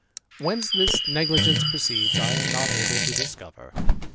Whence this negligence proceeds I am not able to discover.